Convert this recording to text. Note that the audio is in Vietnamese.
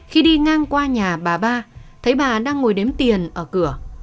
khi đi ngang qua nhà bà ba thấy bà đang ngồi đếm tiền ở cửa